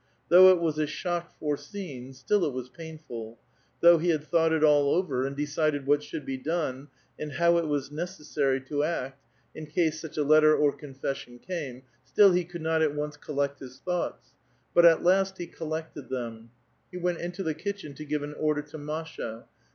Though it was a shock foreseen, still it was painful ; though he had thought it all over, and decided what should be done, and how it was necessary to act, in case such a lettei 1 M(fi milui. * M<jfi drUg, A VITAL QUESTION. 265 confession came, still he could not at once collect his t^tioughts. But at last he collected them. He went iuto the kitchen to give an order to Masha.